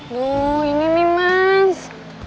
duh ini nih mas